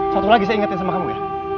satu lagi saya ingetin sama kamu ya